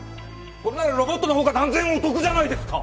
こんなのロボットのほうが断然お得じゃないですか！